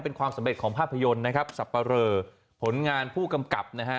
เป็นความสำเร็จของภาพยนตร์นะครับสับปะเรอผลงานผู้กำกับนะฮะ